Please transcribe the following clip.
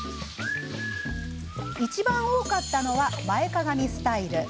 いちばん多かったのは前かがみスタイル。